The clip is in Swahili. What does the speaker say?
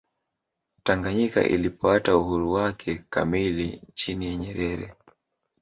tanganyika ilipoata uhuru wake kamili chini ya nyerere